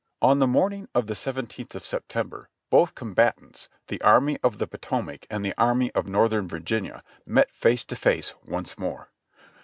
On the morning of the seventeenth of September both com batants, the Army of the Potomac and the Army of Northern Vir ginia, met face to face once more.